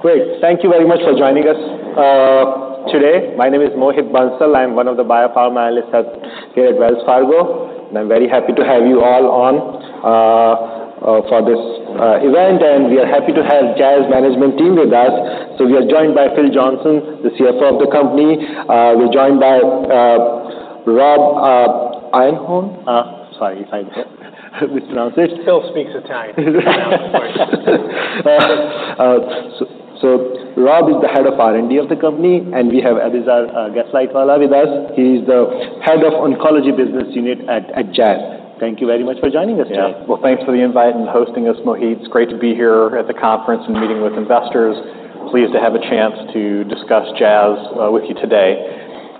Great. Thank you very much for joining us today. My name is Mohit Bansal. I'm one of the biopharma analysts here at Wells Fargo, and I'm very happy to have you all on for this event, and we are happy to have Jazz management team with us. So we are joined by Phil Johnson, the CFO of the company. We're joined by Rob Iannone. Sorry if I mispronounce this. Phil speaks Italian. Rob is the head of R&D of the company, and we have Abhijit Ghoshal with us. He's the head of oncology business unit at Jazz. Thank you very much for joining us today. Yeah. Well, thanks for the invite and hosting us, Mohit. It's great to be here at the conference and meeting with investors. Pleased to have a chance to discuss Jazz with you today.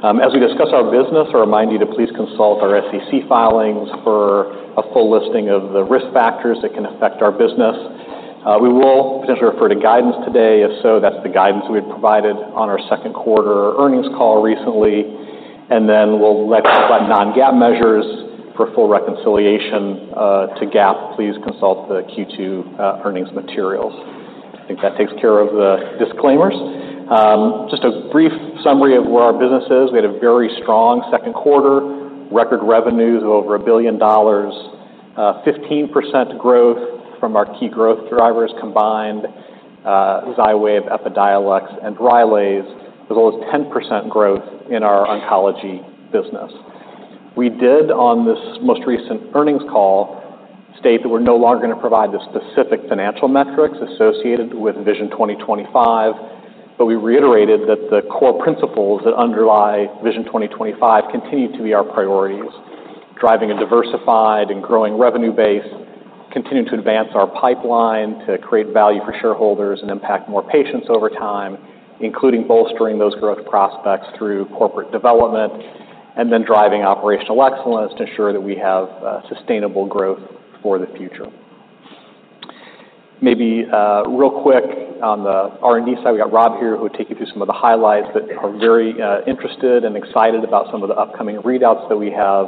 As we discuss our business, I remind you to please consult our SEC filings for a full listing of the risk factors that can affect our business. We will potentially refer to guidance today. If so, that's the guidance we had provided on our second quarter earnings call recently, and then we'll let you know about non-GAAP measures. For full reconciliation to GAAP, please consult the Q2 earnings materials. I think that takes care of the disclaimers. Just a brief summary of where our business is. We had a very strong second quarter, record revenues of over $1 billion, 15% growth from our key growth drivers combined, Xywav, Epidiolex, and Rylaze, as well as 10% growth in our oncology business. We did, on this most recent earnings call, state that we're no longer going to provide the specific financial metrics associated with Vision 2025, but we reiterated that the core principles that underlie Vision 2025 continue to be our priorities, driving a diversified and growing revenue base, continuing to advance our pipeline to create value for shareholders and impact more patients over time, including bolstering those growth prospects through corporate development, and then driving operational excellence to ensure that we have sustainable growth for the future. Maybe, real quick on the R&D side, we got Rob here, who will take you through some of the highlights, but we're very interested and excited about some of the upcoming readouts that we have.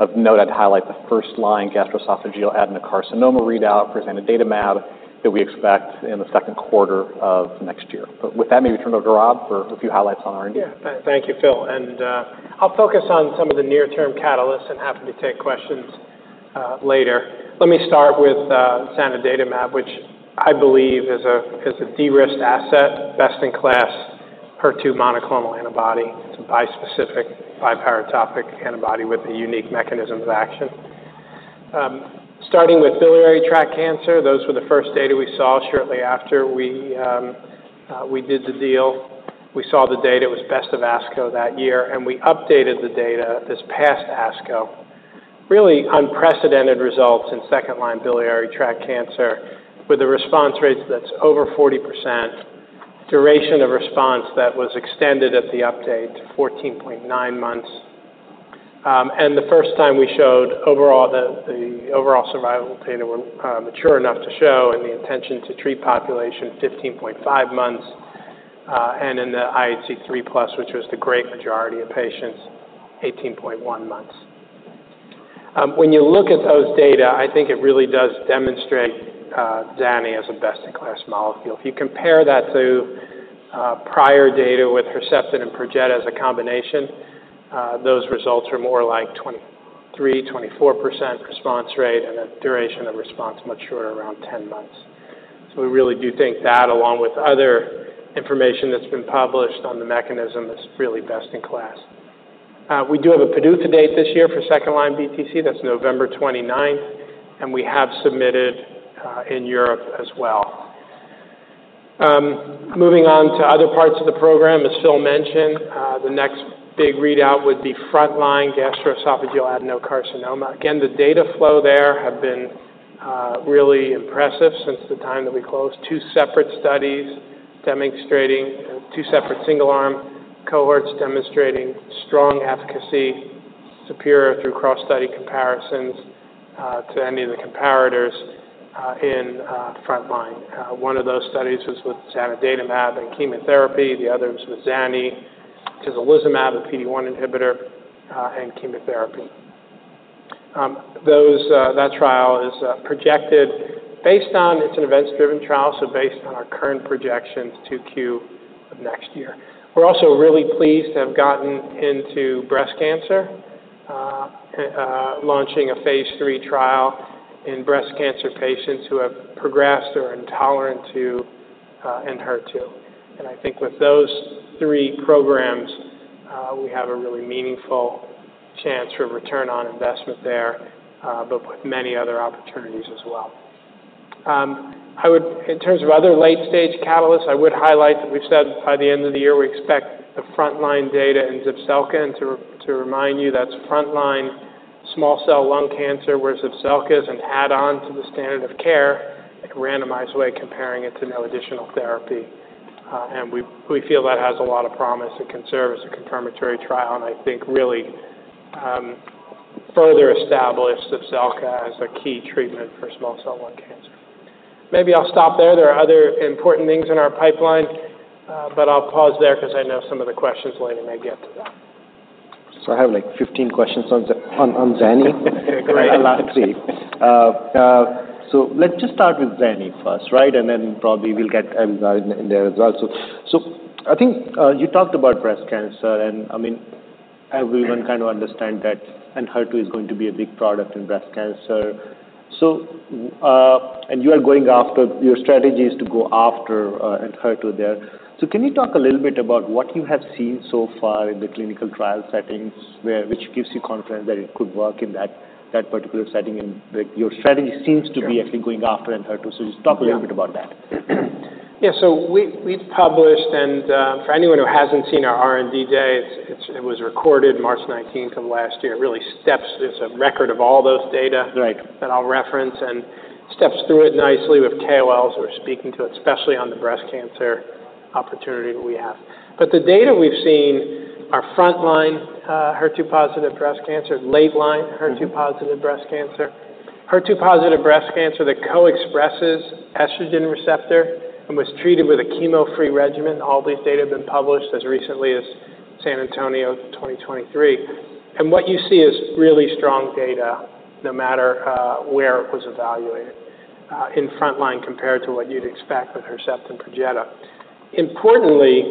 Of note, I'd highlight the first-line gastroesophageal adenocarcinoma readout for zanidatamab that we expect in the second quarter of next year, but with that, maybe turn it over to Rob for a few highlights on R&D. Yeah. Thank you, Phil, and I'll focus on some of the near-term catalysts and happy to take questions later. Let me start with Zanidatamab, which I believe is a derisked asset, best-in-class HER2 monoclonal antibody. It's a bispecific, biparotopic antibody with a unique mechanism of action. Starting with biliary tract cancer, those were the first data we saw shortly after we did the deal. We saw the data. It was best of ASCO that year, and we updated the data this past ASCO. Really unprecedented results in second-line biliary tract cancer with a response rate that's over 40%, duration of response that was extended at the update to 14.9 months. And the first time we showed overall survival data were mature enough to show in the intention to treat population 15.5 months, and in the IHC 3+, which was the great majority of patients, 18.1 months. When you look at those data, I think it really does demonstrate Zani as a best-in-class molecule. If you compare that to prior data with Herceptin and Perjeta as a combination, those results are more like 23-24% response rate and a duration of response much shorter, around 10 months. So we really do think that, along with other information that's been published on the mechanism, that's really best in class. We do have a PDUFA date this year for second-line BTC. That's November twenty-ninth, and we have submitted in Europe as well. Moving on to other parts of the program, as Phil mentioned, the next big readout would be frontline gastroesophageal adenocarcinoma. Again, the data flow there have been really impressive since the time that we closed. Two separate studies demonstrating two separate single-arm cohorts demonstrating strong efficacy, superior through cross-study comparisons, to any of the comparators, in frontline. One of those studies was with zanidatamab and chemotherapy. The other was with Zani, tislelizumab, a PD-1 inhibitor, and chemotherapy. Those that trial is projected based on. It's an events-driven trial, so based on our current projections to Q2 of next year. We're also really pleased to have gotten into breast cancer, launching a phase III trial in breast cancer patients who have progressed or are intolerant to, and HER2. And I think with those three programs, we have a really meaningful chance for return on investment there, but with many other opportunities as well. In terms of other late-stage catalysts, I would highlight that we've said by the end of the year, we expect the frontline data in Zepzelca, and to remind you, that's frontline small cell lung cancer, where Zepzelca is an add-on to the standard of care, a randomized way comparing it to no additional therapy. And we feel that has a lot of promise and can serve as a confirmatory trial, and I think really, further establish Zepzelca as a key treatment for small cell lung cancer. Maybe I'll stop there. There are other important things in our pipeline, but I'll pause there because I know some of the questions later may get to that. So I have, like, 15 questions on Zani. Great, lastly. So let's just start with Zani first, right? And then probably we'll get Abhijit in there as well. So I think you talked about breast cancer, and I mean, everyone kind of understand that Enhertu is going to be a big product in breast cancer. So, and you are going after, your strategy is to go after Enhertu there. So can you talk a little bit about what you have seen so far in the clinical trial settings, which gives you confidence that it could work in that particular setting? And that your strategy- Sure. -seems to be actually going after Enhertu. Yeah. So just talk a little bit about that. Yeah, so we've published, and for anyone who hasn't seen our R&D day, it was recorded March nineteenth of last year. It really steps through... It's a record of all those data- Right -that I'll reference and steps through it nicely with KOLs who are speaking to it, especially on the breast cancer opportunity we have. But the data we've seen are frontline, HER2-positive breast cancer, late line- Mm-hmm. HER2-positive breast cancer, HER2-positive breast cancer that co-expresses estrogen receptor and was treated with a chemo-free regimen. All these data have been published as recently as San Antonio 2023. And what you see is really strong data, no matter where it was evaluated in frontline, compared to what you'd expect with Herceptin Perjeta. Importantly,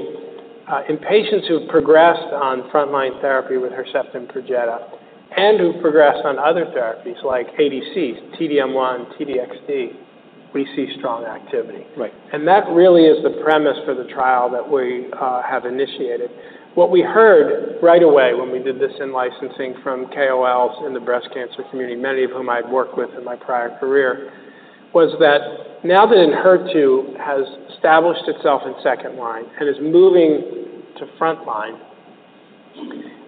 in patients who have progressed on frontline therapy with Herceptin Perjeta, and who've progressed on other therapies like ADC, T-DM1, T-DXd, we see strong activity. Right. That really is the premise for the trial that we have initiated. What we heard right away when we did this in licensing from KOLs in the breast cancer community, many of whom I'd worked with in my prior career, was that now that Enhertu has established itself in second line and is moving to frontline,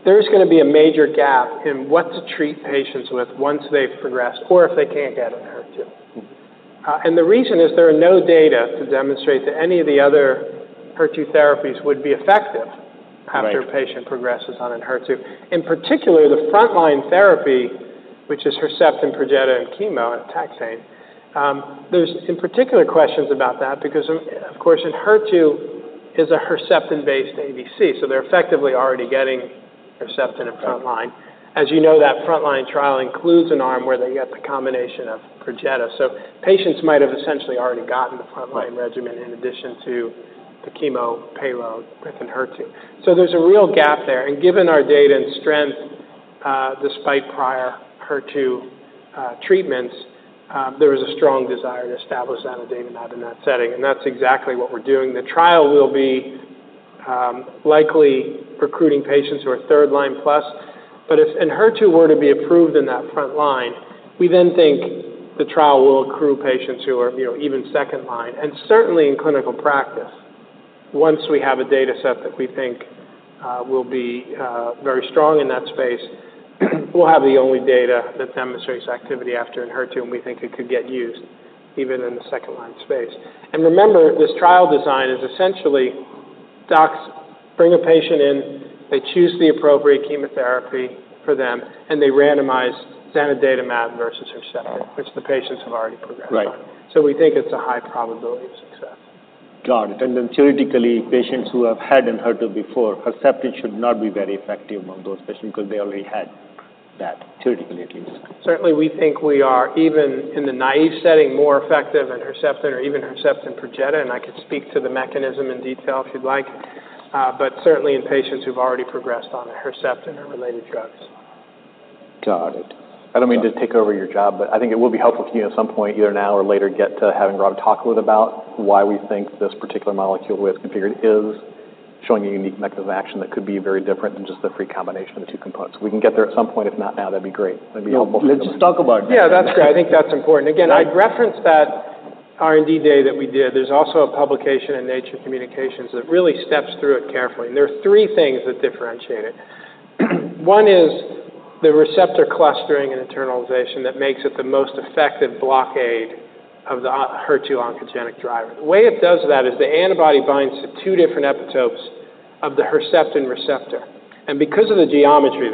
there's gonna be a major gap in what to treat patients with once they've progressed or if they can't get Enhertu. Mm-hmm. And the reason is there are no data to demonstrate that any of the other HER2 therapies would be effective. Right -after a patient progresses on Enhertu. In particular, the frontline therapy, which is Herceptin, Perjeta, and chemo and taxane. There's, in particular, questions about that because, of course, Enhertu is a Herceptin-based ADC, so they're effectively already getting Herceptin in frontline. Right. As you know, that frontline trial includes an arm where they get the combination of Perjeta. So patients might have essentially already gotten the frontline- Right Regimen in addition to the chemo payload with Enhertu. So there's a real gap there. And given our data and strength, despite prior HER2 treatments, there was a strong desire to establish that data nod in that setting, and that's exactly what we're doing. The trial will be likely recruiting patients who are third line plus, but if Enhertu were to be approved in that front line, we then think the trial will accrue patients who are, you know, even second line, and certainly in clinical practice. Once we have a data set that we think will be very strong in that space, we'll have the only data that demonstrates activity after Enhertu, and we think it could get used even in the second line space. Remember, this trial design is essentially, docs bring a patient in, they choose the appropriate chemotherapy for them, and they randomize zanidatamab versus Herceptin, which the patients have already progressed on. Right. So we think it's a high probability of success. Got it. And then theoretically, patients who have had Enhertu before, Herceptin should not be very effective on those patients because they already had that, theoretically, at least. Certainly, we think we are, even in the naive setting, more effective than Herceptin or even Herceptin Perjeta, and I could speak to the mechanism in detail if you'd like. But certainly in patients who've already progressed on Herceptin or related drugs. Got it. I don't mean to take over your job, but I think it will be helpful to you at some point, either now or later, get to having Rob talk a little about why we think this particular molecule, the way it's configured, is showing a unique mechanism of action that could be very different than just the free combination of the two components. We can get there at some point, if not now, that'd be great. That'd be helpful. Let's just talk about that. Yeah, that's great. I think that's important. Right. Again, I'd referenced that R&D Day that we did. There's also a publication in Nature Communications that really steps through it carefully, and there are three things that differentiate it. One is the receptor clustering and internalization that makes it the most effective blockade of the HER2 oncogenic driver. The way it does that is the antibody binds to two different epitopes of the HER2 receptor, and because of the geometry,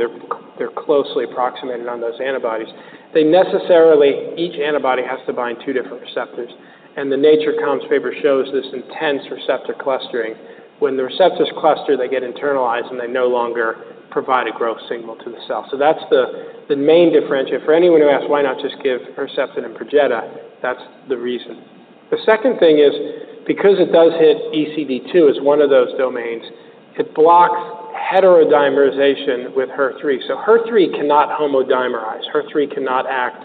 they're closely approximated on those antibodies. They necessarily... Each antibody has to bind two different receptors, and the Nature Comms paper shows this intense receptor clustering. When the receptors cluster, they get internalized, and they no longer provide a growth signal to the cell. So that's the main differentiator. For anyone who asks, "Why not just give Herceptin and Perjeta?" That's the reason. The second thing is, because it does hit ECD2 as one of those domains, it blocks heterodimerization with HER3. So HER3 cannot homodimerize. HER3 cannot act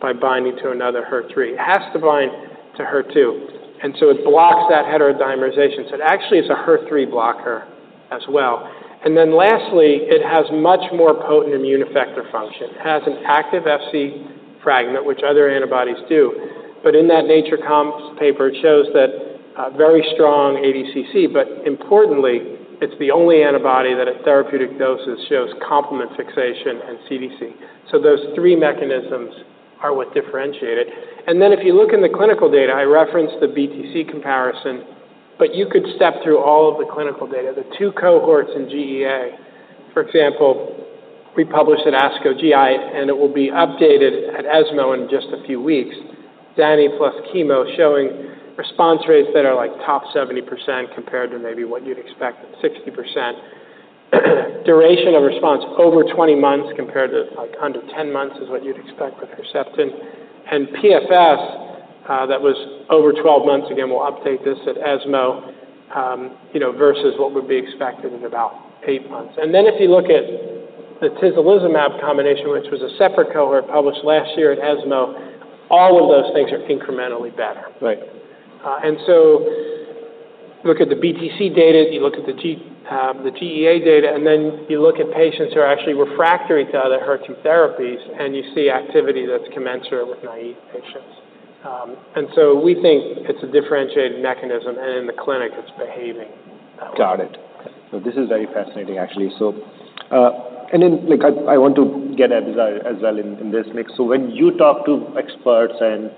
by binding to another HER3. It has to bind to HER2, and so it blocks that heterodimerization. So it actually is a HER3 blocker as well. And then lastly, it has much more potent immune effector function. It has an active FC fragment, which other antibodies do, but in that Nature Comms paper, it shows that, very strong ADCC, but importantly, it's the only antibody that at therapeutic doses shows complement fixation and CDC. So those three mechanisms are what differentiate it. And then, if you look in the clinical data, I referenced the BTC comparison, but you could step through all of the clinical data. The two cohorts in GEA, for example, we published at ASCO GI, and it will be updated at ESMO in just a few weeks. Zani plus chemo showing response rates that are like top 70% compared to maybe what you'd expect, 60%. Duration of response over 20 months compared to, like, under 10 months is what you'd expect with Herceptin. And PFS, that was over 12 months, again, we'll update this at ESMO, you know, versus what would be expected in about 8 months. And then if you look at the Tislelizumab combination, which was a separate cohort published last year at ESMO, all of those things are incrementally better. Right. And so look at the BTC data, you look at the GEA data, and then you look at patients who are actually refractory to other HER2 therapies, and you see activity that's commensurate with naive patients. And so we think it's a differentiated mechanism, and in the clinic, it's behaving. Got it. So this is very fascinating, actually. So, and then, like, I want to get Abhijit as well in this mix. So when you talk to experts and,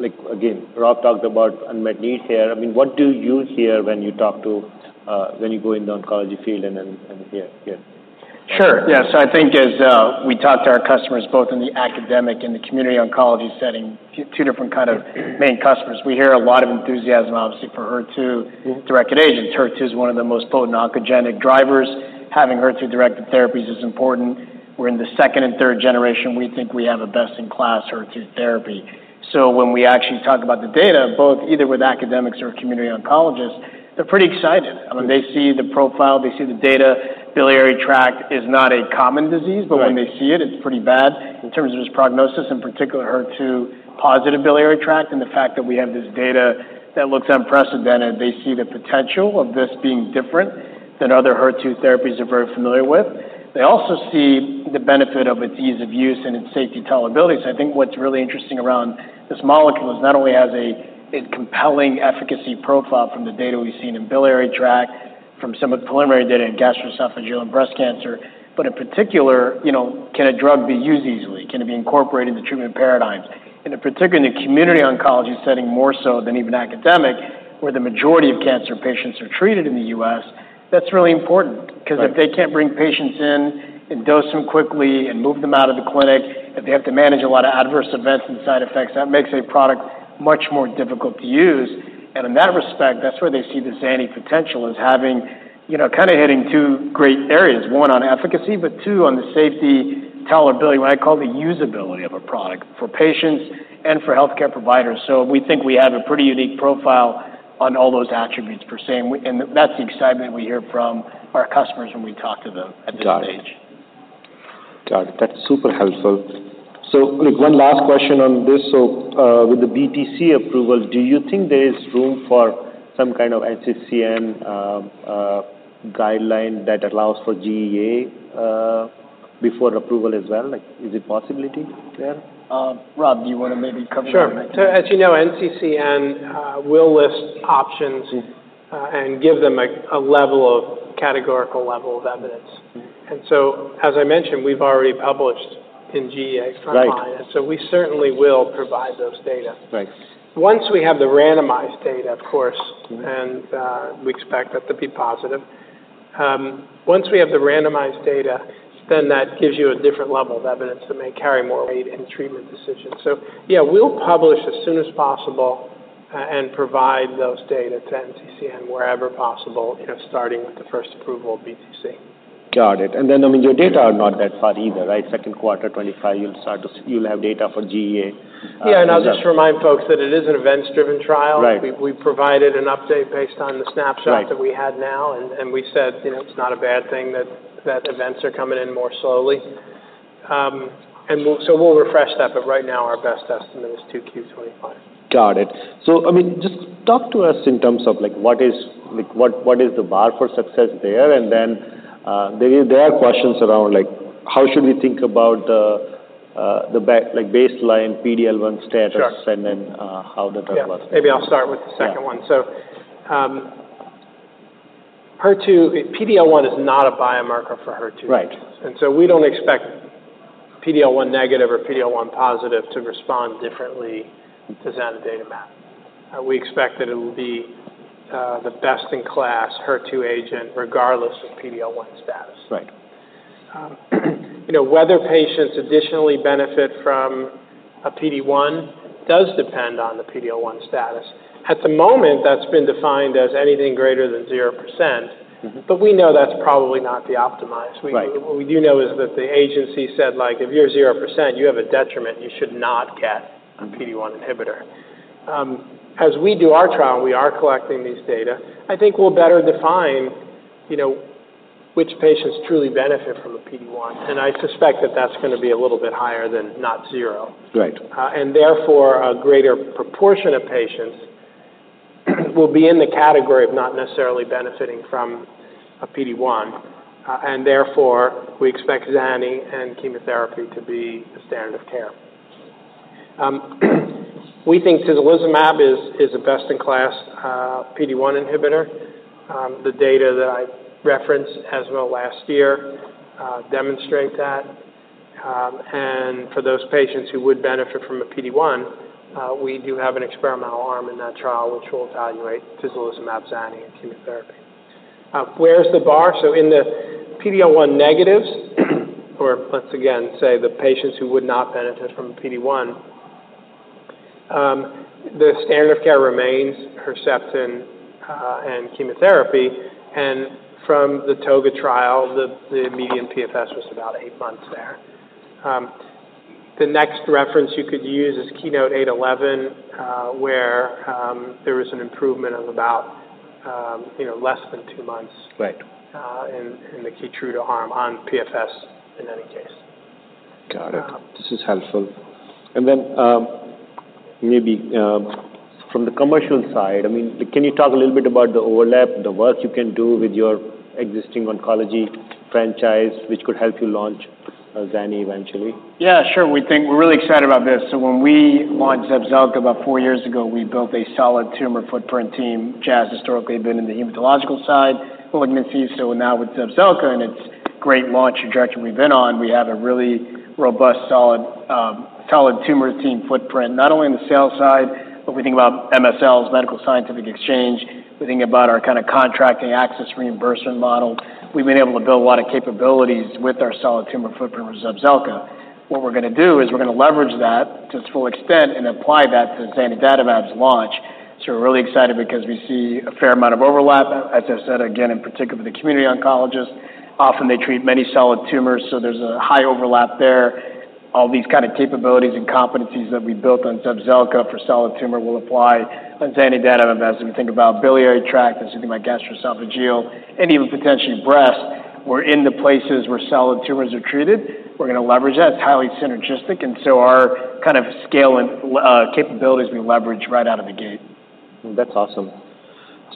like, again, Rob talked about unmet need here, I mean, what do you hear when you talk to, when you go in the oncology field and then, and hear, yeah? Sure. Yeah, so I think as we talk to our customers, both in the academic and the community oncology setting, two different kind of main customers, we hear a lot of enthusiasm, obviously, for HER2-directed agents. HER2 is one of the most potent oncogenic drivers. Having HER2-directed therapies is important. We're in the second and third generation. We think we have a best-in-class HER2 therapy. So when we actually talk about the data, both either with academics or community oncologists, they're pretty excited. I mean, they see the profile, they see the data. Biliary tract is not a common disease. Right. But when they see it, it's pretty bad in terms of its prognosis, in particular, HER2-positive biliary tract, and the fact that we have this data that looks unprecedented, they see the potential of this being different than other HER2 therapies they're very familiar with. They also see the benefit of its ease of use and its safety tolerability. So I think what's really interesting around this molecule is not only has a compelling efficacy profile from the data we've seen in biliary tract, from some of the preliminary data in gastroesophageal and breast cancer, but in particular, you know, can a drug be used easily? Can it be incorporated into treatment paradigms? And in particular, in the community oncology setting, more so than even academic, where the majority of cancer patients are treated in the U.S., that's really important. Right. Because if they can't bring patients in and dose them quickly and move them out of the clinic, if they have to manage a lot of adverse events and side effects, that makes a product much more difficult to use. And in that respect, that's where they see the Zani potential as having, you know, kind of hitting two great areas, one, on efficacy, but two, on the safety tolerability, what I call the usability of a product for patients and for healthcare providers. So we think we have a pretty unique profile on all those attributes per se, and that's the excitement we hear from our customers when we talk to them at this stage. Got it. Got it. That's super helpful. So, like, one last question on this. So, with the BTC approval, do you think there is room for some kind of NCCN guideline that allows for GEA before approval as well? Like, is it a possibility there? Rob, do you want to maybe cover that? Sure. So as you know, NCCN will list options. Mm-hmm. and give them a level of categorical evidence. Mm-hmm. And so, as I mentioned, we've already published in GEA frontline. Right. We certainly will provide those data. Right. Once we have the randomized data, of course, and, we expect that to be positive, once we have the randomized data, then that gives you a different level of evidence that may carry more weight in treatment decisions. So yeah, we'll publish as soon as possible, and provide those data to NCCN wherever possible, you know, starting with the first approval of BTC. Got it, and then, I mean, your data are not that far either, right? Second quarter 2025, you'll start to, you'll have data for GEA. Yeah, and I'll just remind folks that it is an events-driven trial. Right. We provided an update based on the snapshot- Right... that we had now, and we said, you know, it's not a bad thing that events are coming in more slowly. So we'll refresh that, but right now, our best estimate is 2Q 2025. Got it. So I mean, just talk to us in terms of, like, what is, like, what is the bar for success there? And then, there are questions around, like, how should we think about the, like, baseline PD-L1 status- Sure... and then, how the drug was? Yeah. Maybe I'll start with the second one. Yeah. HER2... PD-L1 is not a biomarker for HER2. Right. And so we don't expect PD-L1 negative or PD-L1 positive to respond differently to Zanidatamab. We expect that it will be the best-in-class HER2 agent, regardless of PD-L1 status. Right. You know, whether patients additionally benefit from a PD-1 does depend on the PD-L1 status. At the moment, that's been defined as anything greater than zero%. Mm-hmm. But we know that's probably not the optimized. Right. What we do know is that the agency said, like: "If you're 0%, you have a detriment, you should not get- Mm-hmm. a PD-1 inhibitor." As we do our trial, we are collecting these data. I think we'll better define, you know, which patients truly benefit from a PD-1, and I suspect that that's gonna be a little bit higher than not zero. Right. And therefore, a greater proportion of patients will be in the category of not necessarily benefiting from a PD-1, and therefore, we expect Zani and chemotherapy to be the standard of care. We think tislelizumab is a best-in-class PD-1 inhibitor. The data that I referenced as well last year demonstrate that. And for those patients who would benefit from a PD-1, we do have an experimental arm in that trial, which will evaluate tislelizumab, Zani, and chemotherapy. Where's the bar? So in the PD-L1 negatives, or let's again say the patients who would not benefit from PD-1, the standard of care remains Herceptin and chemotherapy. And from the ToGA trial, the median PFS was about eight months there. The next reference you could use is Keynote-811, where there was an improvement of about, you know, less than two months- Right. in the Keytruda arm on PFS, in any case. Got it. This is helpful. And then, maybe, from the commercial side, I mean, can you talk a little bit about the overlap, the work you can do with your existing oncology franchise, which could help you launch Zani eventually? Yeah, sure. We think we're really excited about this. So when we launched Zepzelca about four years ago, we built a solid tumor footprint team. Jazz historically had been in the hematological side with Vyxeos, and now with Zepzelca, and its great launch trajectory we've been on, we have a really robust, solid, solid tumor team footprint, not only in the sales side, but we think about MSLs, Medical Science Liaisons. We think about our kind of contracting access reimbursement model. We've been able to build a lot of capabilities with our solid tumor footprint with Zepzelca. What we're gonna do is we're gonna leverage that to its full extent and apply that to zanidatamab's launch. So we're really excited because we see a fair amount of overlap. As I said, again, in particular, the community oncologist, often they treat many solid tumors, so there's a high overlap there. All these kind of capabilities and competencies that we built on Zepzelca for solid tumor will apply on Zanidatamab. As we think about biliary tract, and something like gastroesophageal, and even potentially breast, we're in the places where solid tumors are treated. We're gonna leverage that. It's highly synergistic, and so our kind of scale and capabilities we leverage right out of the gate. That's awesome.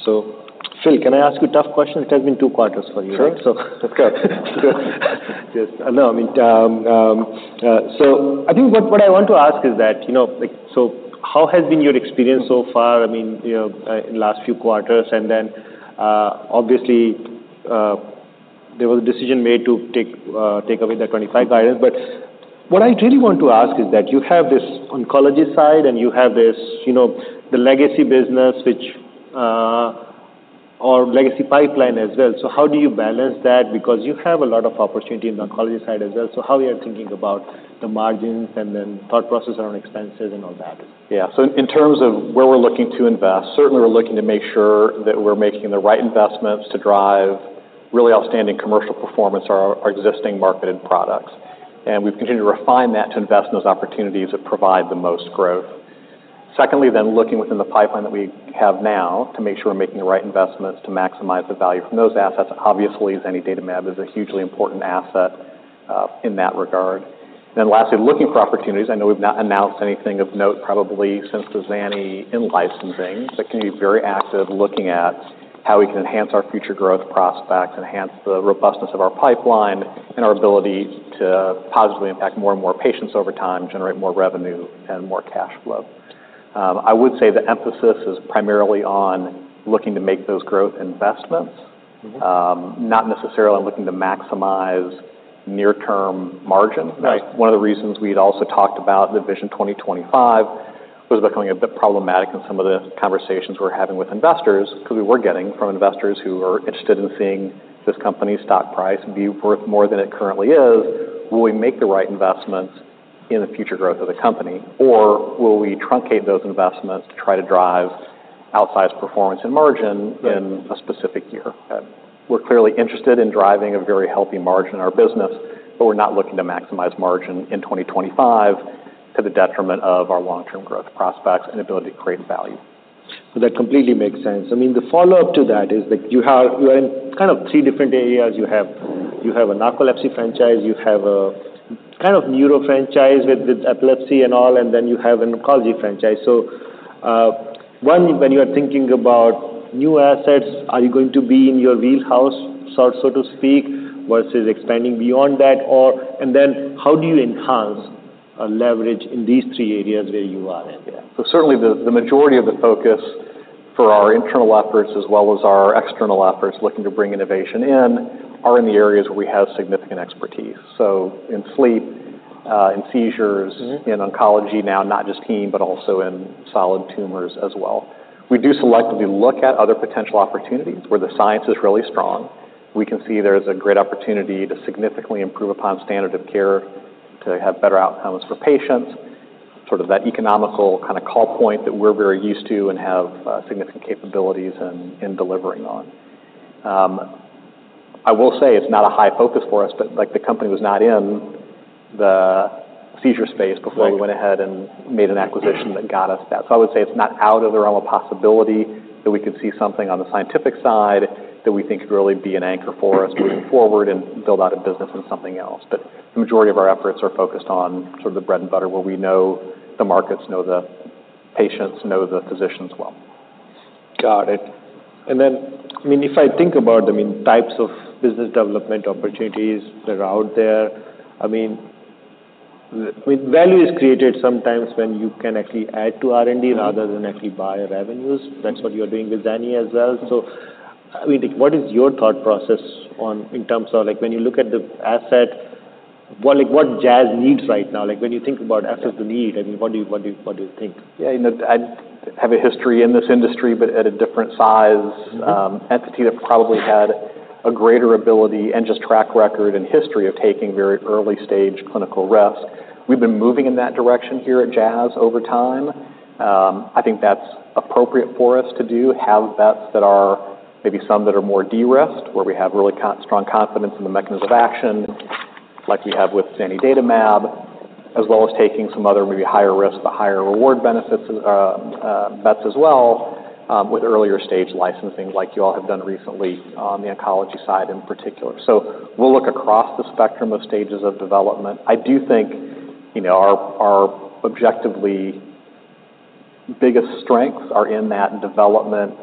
So, Phil, can I ask you a tough question? It has been two quarters for you, right? Sure. So, okay. Yes. No, I mean, so I think what I want to ask is that, you know, like, so how has been your experience so far? I mean, you know, in the last few quarters, and then, obviously, there was a decision made to take, take away the twenty-five guys. But what I really want to ask is that you have this oncology side, and you have this, you know, the legacy business which, or legacy pipeline as well. So how do you balance that? Because you have a lot of opportunity in the oncology side as well. So how are you thinking about the margins and then thought process around expenses and all that? Yeah. So in terms of where we're looking to invest, certainly we're looking to make sure that we're making the right investments to drive really outstanding commercial performance, our existing marketed products. And we've continued to refine that, to invest in those opportunities that provide the most growth. Secondly, then, looking within the pipeline that we have now to make sure we're making the right investments to maximize the value from those assets. Obviously, Zanidatamab is a hugely important asset in that regard. Then lastly, looking for opportunities, I know we've not announced anything of note, probably since the Zani in-licensing, but can be very active, looking at how we can enhance our future growth prospects, enhance the robustness of our pipeline, and our ability to positively impact more and more patients over time, generate more revenue and more cash flow. I would say the emphasis is primarily on looking to make those growth investments- Mm-hmm. not necessarily looking to maximize near-term margin. Right. One of the reasons we'd also talked about the Vision 2025 was becoming a bit problematic in some of the conversations we're having with investors, because we were getting from investors who are interested in seeing this company's stock price be worth more than it currently is. Will we make the right investments in the future growth of the company, or will we truncate those investments to try to drive outsized performance and margin- Right. in a specific year? Right. We're clearly interested in driving a very healthy margin in our business, but we're not looking to maximize margin in 2025 to the detriment of our long-term growth prospects and ability to create value. That completely makes sense. I mean, the follow-up to that is that you have you're in kind of three different areas. You have a narcolepsy franchise, you have a kind of neuro franchise with epilepsy and all, and then you have an oncology franchise. So, one, when you are thinking about new assets, are you going to be in your wheelhouse, so to speak, versus expanding beyond that, or? And then how do you enhance a leverage in these three areas where you are in there? Certainly the majority of the focus for our internal efforts, as well as our external efforts, looking to bring innovation in, are in the areas where we have significant expertise. In sleep, in seizures- Mm-hmm. - in oncology now, not just heme, but also in solid tumors as well. We do selectively look at other potential opportunities where the science is really strong. We can see there's a great opportunity to significantly improve upon standard of care, to have better outcomes for patients, sort of that economical kind of call point that we're very used to and have significant capabilities in, in delivering on. I will say it's not a high focus for us, but, like, the company was not in the seizure space before- Right... we went ahead and made an acquisition that got us that. So I would say it's not out of the realm of possibility that we could see something on the scientific side that we think could really be an anchor for us moving forward and build out a business in something else. But the majority of our efforts are focused on sort of the bread and butter, where we know the markets, know the patients, know the physicians well. Got it. And then, I mean, if I think about, I mean, types of business development opportunities that are out there, I mean, with value is created sometimes when you can actually add to R&D rather than actually buy revenues. Mm-hmm. That's what you're doing with Zani as well. Mm-hmm. So, I mean, what is your thought process on in terms of, like, when you look at the asset? What, like, what Jazz needs right now? Like, when you think about asset need, I mean, what do you think? Yeah, you know, I have a history in this industry, but at a different size entity that probably had a greater ability and just track record and history of taking very early-stage clinical risk. We've been moving in that direction here at Jazz over time. I think that's appropriate for us to do, have bets that are maybe some that are more de-risked, where we have really strong confidence in the mechanism of action, like we have with zanidatamab, as well as taking some other maybe higher risk but higher reward benefits, bets as well, with earlier stage licensing, like you all have done recently on the oncology side in particular. So we'll look across the spectrum of stages of development. I do think, you know, our objectively biggest strengths are in that development,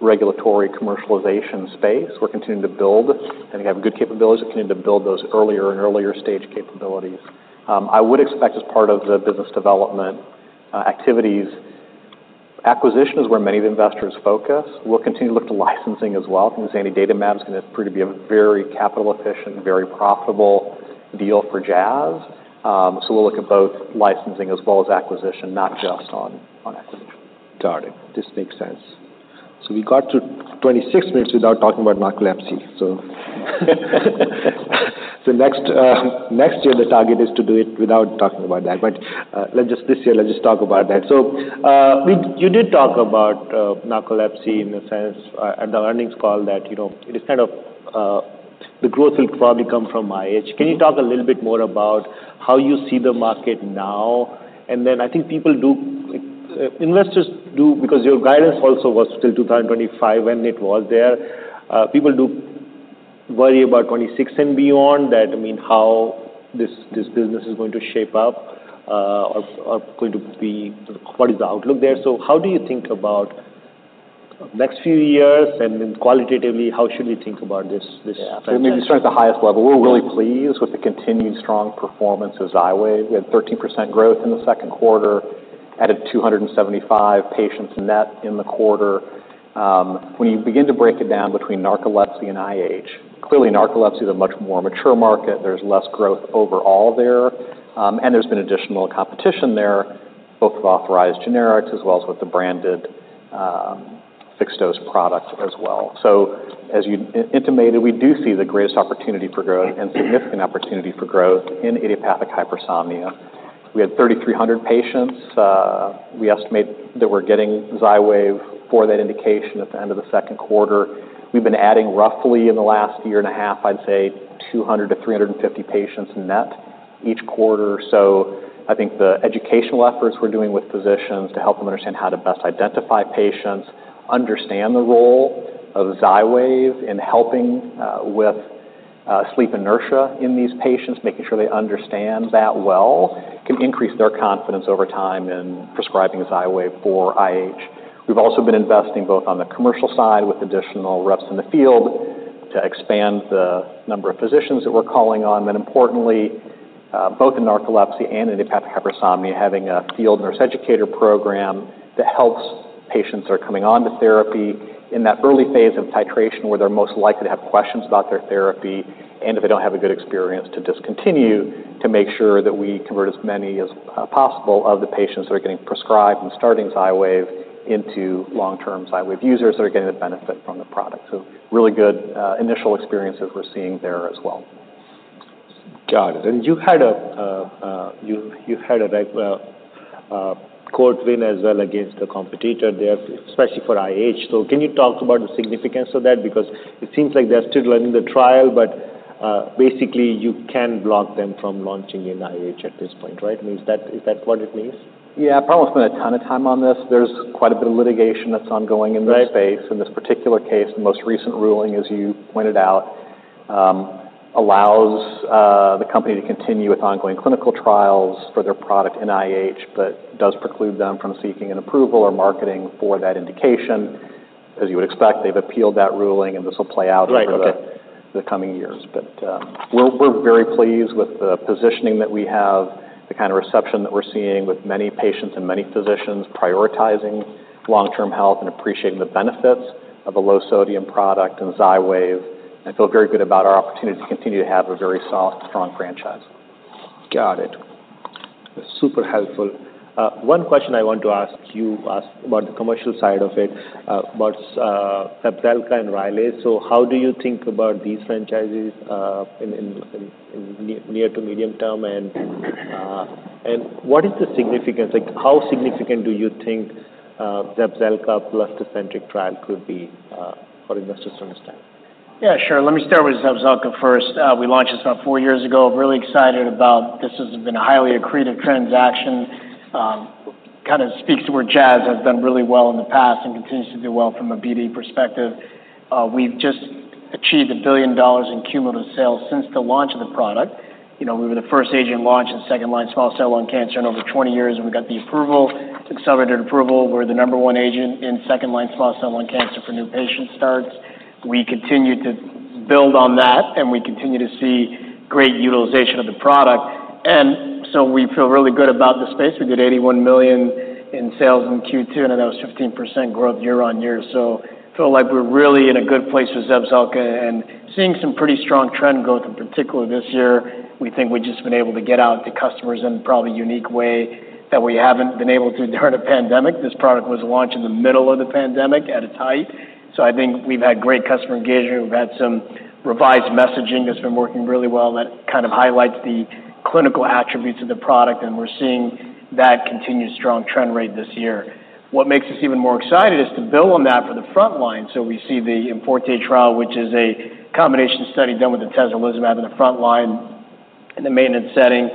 regulatory, commercialization space. We're continuing to build, and we have good capabilities. We continue to build those earlier and earlier stage capabilities. I would expect as part of the business development activities. Acquisition is where many of the investors focus. We'll continue to look to licensing as well. I think Zanidatamab is gonna prove to be a very capital-efficient, very profitable deal for Jazz. So we'll look at both licensing as well as acquisition, not just on equity. Got it. This makes sense, so we got to twenty-six minutes without talking about narcolepsy, so... So next year, the target is to do it without talking about that. But let's just this year, let's just talk about that. So you did talk about narcolepsy in the sense at the earnings call, that you know, it is kind of the growth will probably come from IH. Can you talk a little bit more about how you see the market now? And then I think people do, investors do, because your guidance also was till two thousand and twenty-five, when it was there. People do worry about 'twenty-six and beyond, that I mean, how this, this business is going to shape up, or going to be... What is the outlook there? So how do you think about next few years, and then qualitatively, how should we think about this, this franchise? Yeah. Let me start at the highest level. We're really pleased with the continued strong performance of Xywav. We had 13% growth in the second quarter, added 275 patients net in the quarter. When you begin to break it down between narcolepsy and IH, clearly narcolepsy is a much more mature market. There's less growth overall there, and there's been additional competition there, both with authorized generics as well as with the branded, fixed-dose product as well. So as you intimated, we do see the greatest opportunity for growth and significant opportunity for growth in idiopathic hypersomnia. We had 3,300 patients. We estimate that we're getting Xywav for that indication at the end of the second quarter. We've been adding roughly, in the last year and a half, I'd say, 200 to 350 patients net each quarter. So I think the educational efforts we're doing with physicians to help them understand how to best identify patients, understand the role of Xywav in helping with sleep inertia in these patients, making sure they understand that well, can increase their confidence over time in prescribing Xywav for IH. We've also been investing both on the commercial side, with additional reps in the field, to expand the number of physicians that we're calling on. Then importantly, both in narcolepsy and in idiopathic hypersomnia, having a field nurse educator program that helps patients that are coming onto therapy in that early phase of titration, where they're most likely to have questions about their therapy, and if they don't have a good experience, to discontinue, to make sure that we convert as many as possible of the patients that are getting prescribed and starting Xywav into long-term Xywav users that are getting the benefit from the product. So really good initial experiences we're seeing there as well. Got it. And you had a like a court win as well against the competitor there, especially for IH. So can you talk about the significance of that? Because it seems like they're still running the trial, but basically you can block them from launching in IH at this point, right? I mean, is that what it means? Yeah. I'll probably spend a ton of time on this. There's quite a bit of litigation that's ongoing in this space. Right. In this particular case, the most recent ruling, as you pointed out, allows the company to continue with ongoing clinical trials for their product in IH, but does preclude them from seeking an approval or marketing for that indication. As you would expect, they've appealed that ruling, and this will play out. Right. Okay... over the coming years. But, we're very pleased with the positioning that we have, the kind of reception that we're seeing with many patients and many physicians prioritizing long-term health and appreciating the benefits of a low-sodium product and Xywav, and feel very good about our opportunity to continue to have a very strong franchise. Got it. Super helpful. One question I want to ask about the commercial side of it, about Zepzelca and Rylaze. So how do you think about these franchises in near to medium term? And what is the significance, like, how significant do you think Zepzelca plus the IMforte trial could be for investors to understand? Yeah, sure. Let me start with Zepzelca first. We launched this about four years ago. Really excited about this. This has been a highly accretive transaction. Kind of speaks to where Jazz has done really well in the past and continues to do well from a BD perspective. We've just achieved $1 billion in cumulative sales since the launch of the product. You know, we were the first agent launch in second-line small cell lung cancer in over 20 years, and we got the approval, accelerated approval. We're the number one agent in second-line small cell lung cancer for new patient starts. We continue to build on that, and we continue to see great utilization of the product. And so we feel really good about the space. We did $81 million in sales in Q2, and that was 15% growth year-on-year. So feel like we're really in a good place with Zepzelca, and seeing some pretty strong trend growth in particular this year. We think we've just been able to get out to customers in probably a unique way that we haven't been able to during the pandemic. This product was launched in the middle of the pandemic at its height, so I think we've had great customer engagement. We've had some revised messaging that's been working really well, that kind of highlights the clinical attributes of the product, and we're seeing that continued strong trend rate this year. What makes us even more excited is to build on that for the frontline. We see the IMforte trial, which is a combination study done with atezolizumab in the frontline. In the maintenance setting,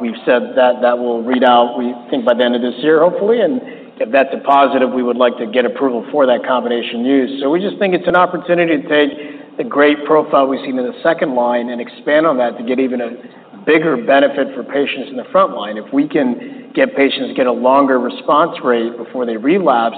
we've said that that will read out, we think, by the end of this year, hopefully, and if that's a positive, we would like to get approval for that combination use. So we just think it's an opportunity to take the great profile we've seen in the second line and expand on that to get even a bigger benefit for patients in the frontline. If we can get patients get a longer response rate before they relapse,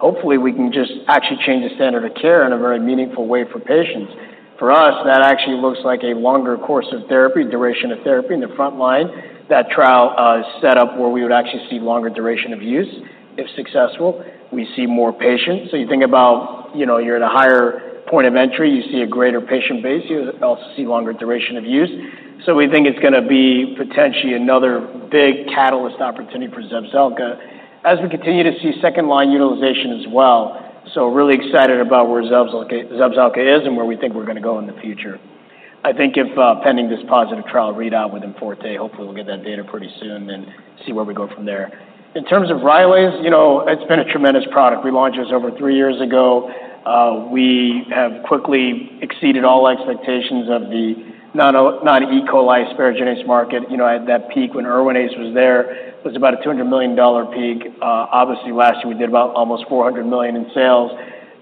hopefully, we can just actually change the standard of care in a very meaningful way for patients. For us, that actually looks like a longer course of therapy, duration of therapy in the frontline. That trial is set up where we would actually see longer duration of use. If successful, we see more patients. So you think about, you know, you're at a higher point of entry, you see a greater patient base, you also see longer duration of use. So we think it's gonna be potentially another big catalyst opportunity for Zepzelca as we continue to see second-line utilization as well. So really excited about where Zepzelca is and where we think we're gonna go in the future. I think if, pending this positive trial readout with IMforte, hopefully we'll get that data pretty soon and see where we go from there. In terms of Rylaze, you know, it's been a tremendous product. We launched this over three years ago. We have quickly exceeded all expectations of the non-E. coli asparaginase market. You know, at that peak, when Erwinase was there, it was about a $200 million peak. Obviously, last year, we did about almost $400 million in sales.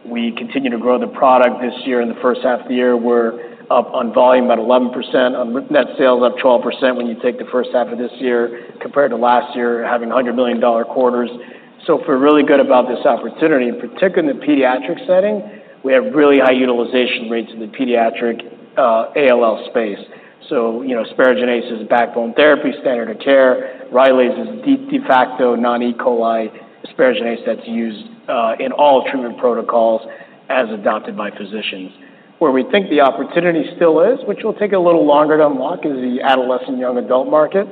We continue to grow the product this year. In the first half of the year, we're up on volume, about 11%, on net sales, up 12% when you take the first half of this year compared to last year, having $100 million dollar quarters. So we feel really good about this opportunity, and particularly in the pediatric setting, we have really high utilization rates in the pediatric ALL space. So, you know, asparaginase is a backbone therapy, standard of care. Rylaze is de facto non-E. coli asparaginase that's used in all treatment protocols as adopted by physicians. Where we think the opportunity still is, which will take a little longer to unlock, is the adolescent young adult market.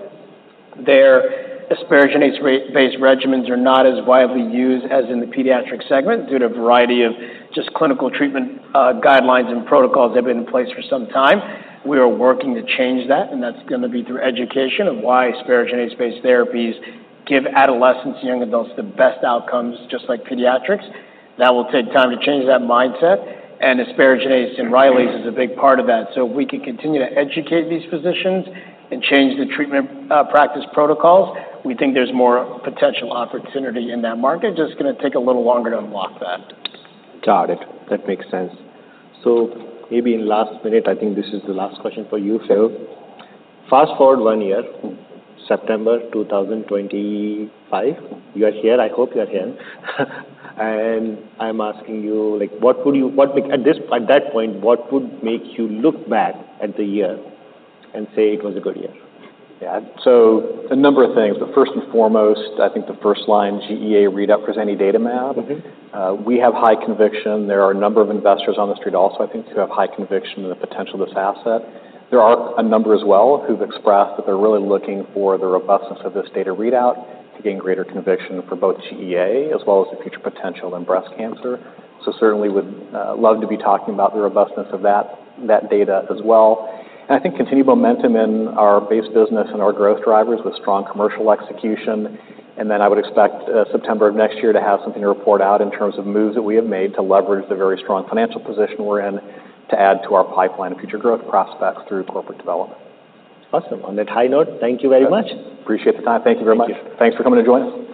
Their asparaginase-based regimens are not as widely used as in the pediatric segment due to a variety of just clinical treatment guidelines and protocols that have been in place for some time. We are working to change that, and that's gonna be through education of why asparaginase-based therapies give adolescents and young adults the best outcomes, just like pediatrics. That will take time to change that mindset, and asparaginase and Rylaze is a big part of that. So if we can continue to educate these physicians and change the treatment practice protocols, we think there's more potential opportunity in that market. Just gonna take a little longer to unlock that. Got it. That makes sense. So maybe in the last minute, I think this is the last question for you, Phil. Fast-forward one year, September two thousand twenty-five, you are here, I hope you are here, and I'm asking you, like, at that point, what would make you look back at the year and say it was a good year? Yeah. So a number of things. But first and foremost, I think the first line, GEA readout for zanidatamab. Mm-hmm. We have high conviction. There are a number of investors on The Street also, I think, who have high conviction in the potential of this asset. There are a number as well, who've expressed that they're really looking for the robustness of this data readout to gain greater conviction for both GEA, as well as the future potential in breast cancer. So certainly would love to be talking about the robustness of that data as well. And I think continued momentum in our base business and our growth drivers with strong commercial execution. And then I would expect September of next year to have something to report out in terms of moves that we have made to leverage the very strong financial position we're in, to add to our pipeline of future growth prospects through corporate development. Awesome. On that high note, thank you very much. Appreciate the time. Thank you very much. Thank you. Thanks for coming to join us.